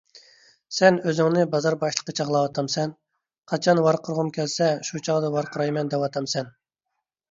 سەن ئۆزۈڭنى بازار باشلىقى چاغلاۋاتامسەن؟! قاچان ۋارقىرىغۇم كەلسە شۇ چاغدا ۋارقىرايمەن دەۋاتامسەن؟!